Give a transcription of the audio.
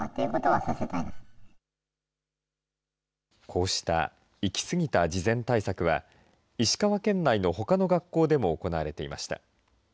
こうした行き過ぎた事前対策は、石川県内のほかの学校でも行われていました。